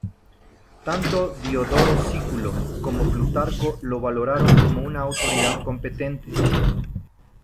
Tanto Diodoro Sículo como Plutarco lo valoraron como una autoridad competente.